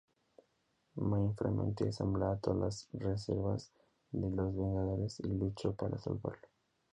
Mainframe ensambla todas las reservas de los Vengadores y luchó para salvarlo.